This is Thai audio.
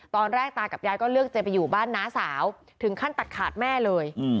ตากับยายก็เลือกจะไปอยู่บ้านน้าสาวถึงขั้นตัดขาดแม่เลย